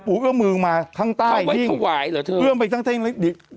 ปู่เอื้อมมือมาข้างใต้ข้างไว้หรือเธอเอื้อมไปข้างใต้